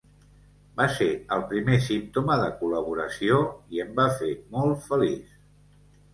Va ser el primer símptoma de col·laboració i em va fer molt feliç.